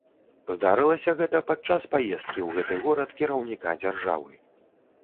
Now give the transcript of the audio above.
Здарылася гэта падчас паездкі ў гэты горад кіраўніка дзяржавы.